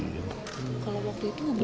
kalau waktu itu